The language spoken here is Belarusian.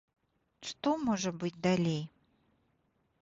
Што можа быць далей?